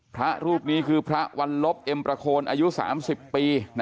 พระรูปนี้คือพระวันลบเอ็มประโคนอายุ๓๐ปี